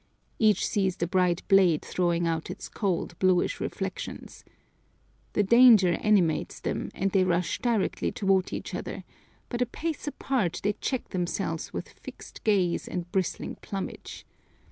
Each sees the bright blade throwing out its cold, bluish reflections. The danger animates them and they rush directly toward each other, but a pace apart they check themselves with fixed gaze and bristling plumage.